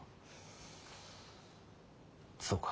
そうか。